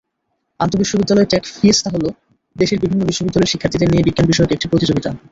আন্তবিশ্ববিদ্যালয় tech fiesta হলো দেশের বিভিন্ন বিশ্ববিদ্যালয়ের শিক্ষার্থীদের নিয়ে বিজ্ঞানবিষয়ক একটি প্রতিযোগিতা।